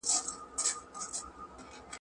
د نیکه او د بابا په کیسو پايي.